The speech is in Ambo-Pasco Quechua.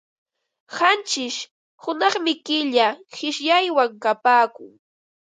Qanchish hunaqmi killa qishyaywan kapaakun.